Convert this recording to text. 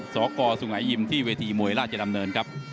สกสุงหายิมที่เวทีมวยราชดำเนินครับ